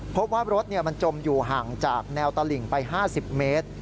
พบว่ารถมันจมอยู่ห่างจากแนวตลิ่งไป๕๐เมตร